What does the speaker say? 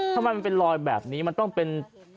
ทำไมมันเป็นรอยแบบนี้มันต้องเป็น